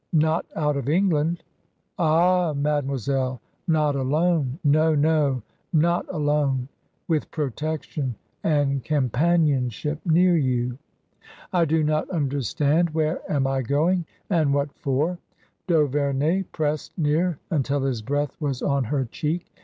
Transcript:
Not out of England !"" Ah, mademoiselle ! Not alone. No— no — not alone. With protection and companionship near you." •' I do not understand. Where am I going ? And what for ?" D'Auverney pressed near until his breath was on her cheek.